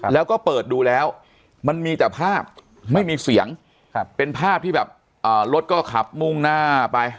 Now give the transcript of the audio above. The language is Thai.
แล้วก็เปิดดูแล้วมันมีแต่ภาพไม่มีเสียงเป็นภาพที่แบบรถก็ขับมุ่งหน้าไป